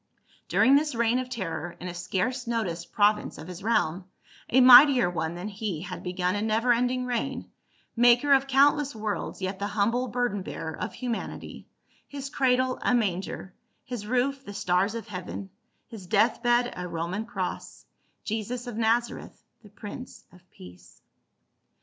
During this reign of terror, in a scarce noticed province of his realm, a mightier One than he had begun a never ending reign, Maker of countless worlds yet the humble Burden bearer of humanity, his cradle a manger, his roof the stars of heaven, his death bed a Roman cross, Jesus of Naza reth, the Prince of Peace.